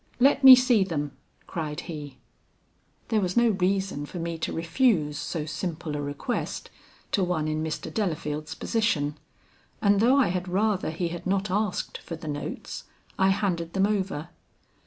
'Let me see them,' cried he. "There was no reason for me to refuse so simple a request to one in Mr. Delafield's position, and though I had rather he had not asked for the notes, I handed them over.